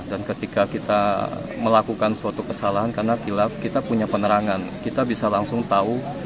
dan ketika kita melakukan suatu kesalahan karena kita punya penerangan kita bisa langsung tahu